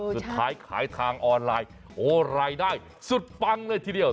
ขายทางออนไลน์โอ้รายได้สุดปังเลยทีเดียว